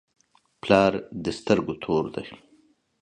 پلار د سترګو تور دی.